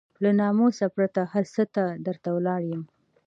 له ناموسه پرته هر څه ته درته ولاړ يم.